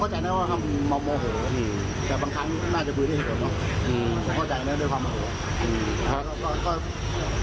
แต่บางครั้งน่าจะดูได้เห็นก่อนเนอะอืมเข้าใจแล้วด้วยความอังกฤษอืม